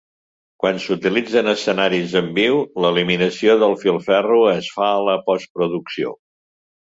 Quan s'utilitzen escenaris en viu, l'eliminació del filferro es fa a la postproducció.